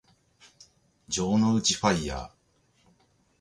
城之内ファイアー